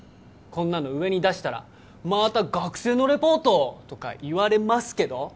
こんなの上に出したらまた学生のレポートとか言われますけど？